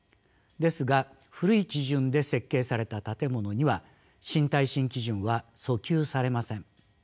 ですが古い基準で設計された建物には新耐震基準は遡及されません。